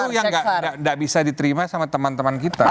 itu yang tidak bisa diterima sama teman teman kita